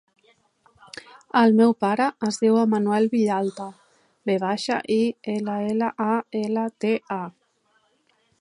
El meu pare es diu Emanuel Villalta: ve baixa, i, ela, ela, a, ela, te, a.